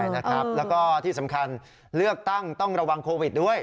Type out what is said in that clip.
แล้วก็ที่สำคัญเลือกตั้งต้องระวังโควิดด้วย